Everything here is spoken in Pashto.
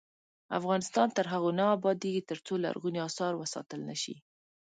افغانستان تر هغو نه ابادیږي، ترڅو لرغوني اثار وساتل نشي.